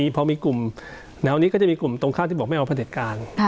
เพราะมีกลุ่มแล้วนี้ก็จะมีกลุ่มตรงข้างที่บอกไม่เอาประเนติกาล